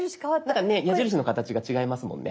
なんかね矢印の形が違いますもんね。